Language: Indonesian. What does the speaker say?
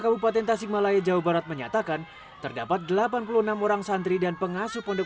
kabupaten tasikmalaya jawa barat menyatakan terdapat delapan puluh enam orang santri dan pengasuh pondok